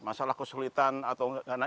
masalah kesulitan atau nggak